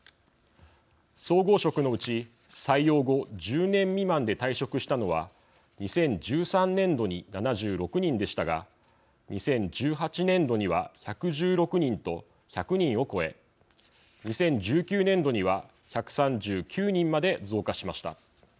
総合職のうち、採用後１０年未満で退職したのは２０１３年度に７６人でしたが２０１８年度には１１６人と１００人を超え２０１９年度には１３９人まで増加しました。